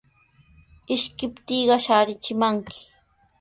Ishkiptiiqa shaarichimanmi.